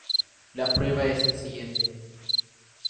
La prueba es el siguiente.